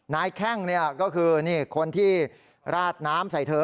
แข้งก็คือคนที่ราดน้ำใส่เธอ